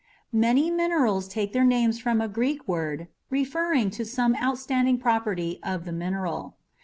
Many minerals take their names from a Greek word referring to some outstanding property of the mineral.